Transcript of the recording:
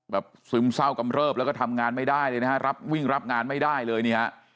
ซึมเศร้ากำเริบแล้วก็ทำงานไม่ได้เลยนะฮะรับวิ่งรับงานไม่ได้เลยเนี่ย